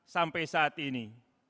sampai saat ini